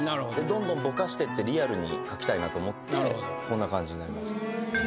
どんどんぼかしてってリアルに描きたいなと思ってこんな感じになりました。